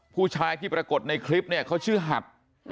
ผู้ชายที่ปรากฏในคลิปเนี่ยเขาชื่อหัด